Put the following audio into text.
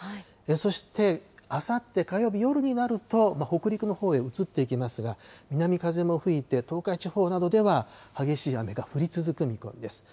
そしてあさって火曜日夜になると、北陸のほうへ移っていきますが、南風も吹いて、東海地方などでは激しい雨が降り続く見込みです。